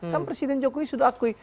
kan presiden jokowi sudah akui